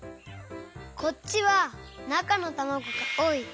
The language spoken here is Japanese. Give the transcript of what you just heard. こっちはなかのたまごがおおい。